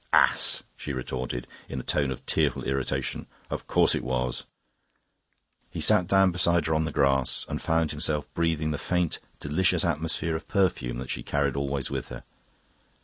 "Ass!" she retorted in a tone of tearful irritation; "of course it was." He sat down beside her on the grass, and found himself breathing the faint, delicious atmosphere of perfume that she carried always with her.